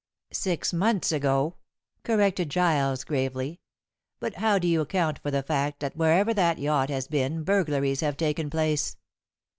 "Six months ago," corrected Giles gravely; "but how do you account for the fact that wherever that yacht has been burglaries have taken place?"